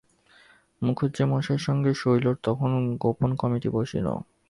মুখুজ্যেমশায়ের সঙ্গে শৈলর তখন গোপন কমিটি বসিল।